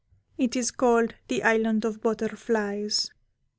It is called the "Island of Butterflies."